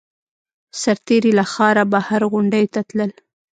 سرتېري له ښاره بهر غونډیو ته تلل